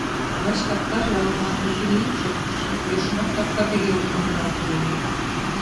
Лач капкаже ала-молан кочыри-ик шоктыш, йӧршынат капка тыге ок магыралте ыле...